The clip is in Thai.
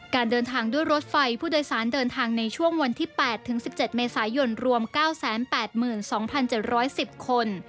การเดินทางด้วยรถไฟผู้โดยสารเดินทางในช่วงวันที่๘ถึง๑๗เมษายนรวม๙๘๒๗๑๐คน